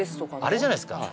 あれじゃないですか？